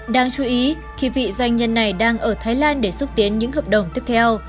đáng chú ý khi vị doanh nhân này đang ở thái lan để xúc tiến những hợp đồng tiếp theo